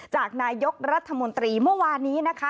จากนายกรัฐมนตรีเมื่อวานนี้นะคะ